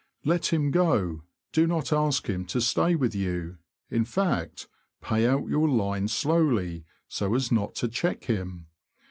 Let him go ; do not ask him to stay with you — in fact, pay out your line slowly, so as not to check him.